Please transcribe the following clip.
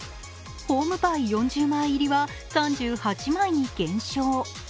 ホームパイ４０枚入りは３８枚に減少。